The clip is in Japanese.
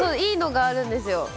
いいのがあるんですよ。